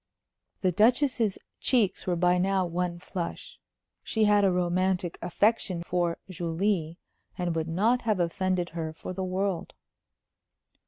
The Duchess's cheeks were by now one flush. She had a romantic affection for Julie, and would not have offended her for the world.